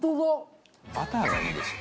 バターがいいですよ。